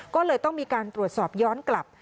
ก็เลยต้องมีการตรวจสอบย้อนกลับ